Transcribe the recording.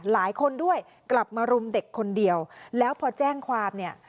หลายคนด้วยกลับมารุมเด็กคนเดียวแล้วพอแจ้งความเนี่ย